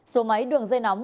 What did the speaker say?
số máy đường dây nóng